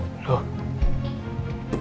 kok tadi ada suara bayi ya